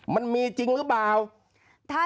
มันมีจริงหรือเปล่า